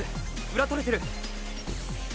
裏取れてる。